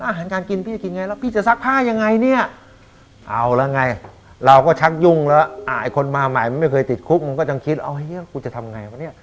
เอาไงหนึ่งกูจะทำยังไง